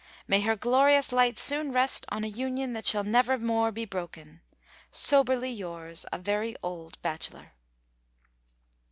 May her glorious light soon rest on a Union that shall never more be broken. Soberly yours, A Very Old Bachelor."